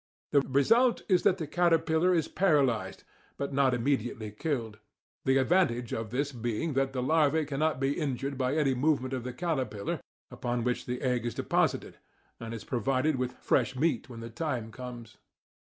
The result is that the caterpillar is paralyzed, but not immediately killed, the advantage of this being that the larva cannot be injured by any movement of the caterpillar, upon which the egg is deposited, and is provided with fresh meat when the time comes.